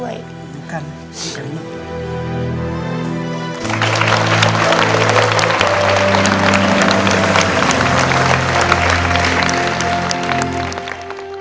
เหมือนกันอย่างนี้